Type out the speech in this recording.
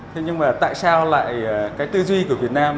thế nhưng mà tại sao lại cái tư duy của việt nam